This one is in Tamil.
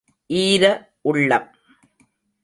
ஈர உள்ளம் ….